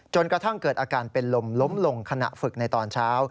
กระทั่งเกิดอาการเป็นลมล้มลงขณะฝึกในตอนเช้า